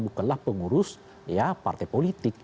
bukanlah pengurus partai politik